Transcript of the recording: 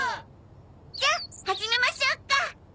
じゃ始めましょうか。